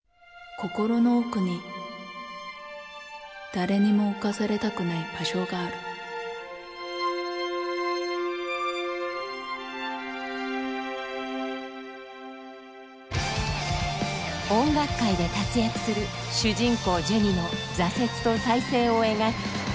心の奥に誰にも侵されたくない場所がある音楽界で活躍する主人公ジュニの挫折と再生を描く「群青領域」。